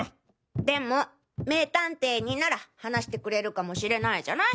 でも名探偵になら話してくれるかもしれないじゃない？